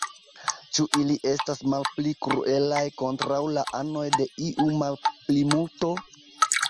Ĉu ili estis malpli kruelaj kontraŭ la anoj de iu malplimulto?